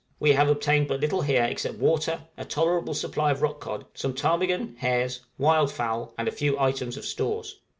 We have obtained but little here except water, a tolerable supply of rock cod, some ptarmigan hares, wildfowl, and a few items of stores.